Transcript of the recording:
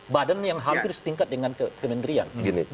badan yang hampir setingkat dengan kementerian